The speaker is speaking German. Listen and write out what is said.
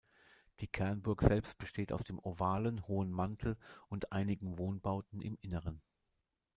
Die Kernburg selbst besteht aus dem ovalen, hohen Mantel und einigen Wohnbauten im Inneren.